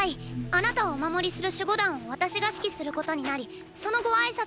あなたをお守りする守護団を私が指揮することになりそのご挨拶に。